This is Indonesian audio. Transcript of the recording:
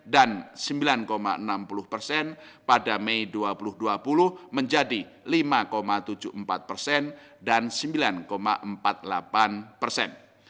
dan sembilan enam puluh persen pada mei dua ribu dua puluh menjadi lima tujuh puluh empat persen dan sembilan empat puluh delapan persen